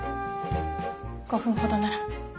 ５分ほどなら。